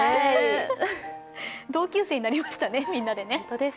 同級生になりましたね、みんなでね。